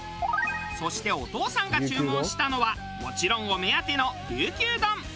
そしてお父さんが注文したのはもちろんお目当てのりゅうきゅう丼。